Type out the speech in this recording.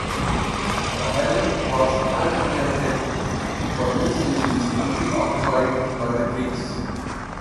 The island was uninhabited for many centuries until occupied by the Greeks.